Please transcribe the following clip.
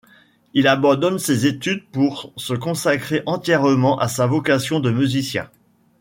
Il abandonne ses études pour se consacrer entièrement à sa vocation de musicien.